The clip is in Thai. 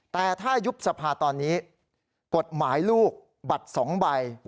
แต่ถ้ายุบสภาตอนนี้กฎหมายลูกบัตร๒ใบ